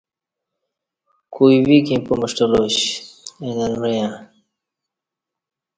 کوئی ویک ییں پمݜٹہ لاش اے ننوعݩہ